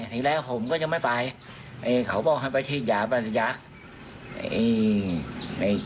ทีแรกผมก็ยังไม่ไปเขาบอกให้ไปฉีดยาปัญญา